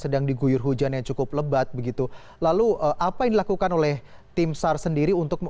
sedang diguyur hujan yang cukup lebat begitu lalu apa yang dilakukan oleh tim sar sendiri untuk